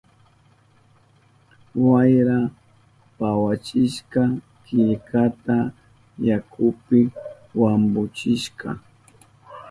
Wayra pawachishka killkata, yakupi wampuchishka.